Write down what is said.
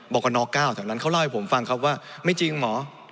กน๙แถวนั้นเขาเล่าให้ผมฟังครับว่าไม่จริงหมอ